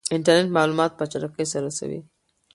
انټرنیټ معلومات په چټکۍ سره رسوي.